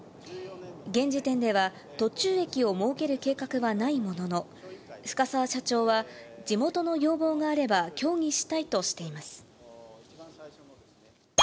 現時点では、途中駅を設ける計画はないものの、深澤社長は、地元の要望があれば協議したいとしています。